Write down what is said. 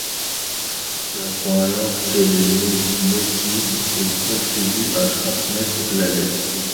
On croit alors qu'elle est nocive et contribue à transmettre la lèpre.